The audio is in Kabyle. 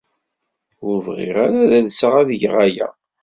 Ur bɣiɣ ara ad alseɣ ad geɣ aya.